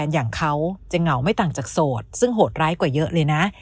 เยอะเลยนะ